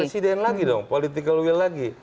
presiden lagi dong